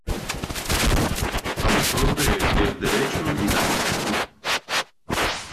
Autor de El Derecho y la Cultura.